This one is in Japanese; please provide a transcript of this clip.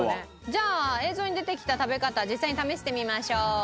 じゃあ映像に出てきた食べ方実際に試してみましょう。